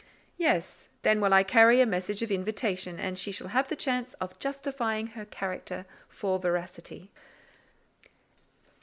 "Yes; then I will carry a message of invitation, and she shall have the chance of justifying her character for veracity."